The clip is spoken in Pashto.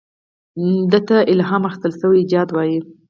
دې ته الهام اخیستل شوی ایجاد وایي.